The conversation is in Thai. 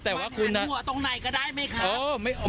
มันหันหัวตรงไหนก็ได้ไหมครับ